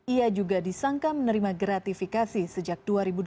ia juga disangka menerima gratifikasi sejak dua ribu delapan